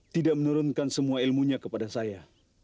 tidak menurunkan semua ilmunya kepada saya